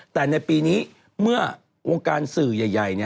แต่ในปีนี้เมื่อวงการสื่อใหญ่